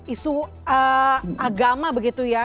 isu agama begitu ya